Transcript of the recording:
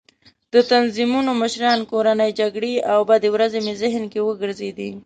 د تنظیمونو مشران، کورنۍ جګړې او بدې ورځې مې ذهن کې وګرځېدې.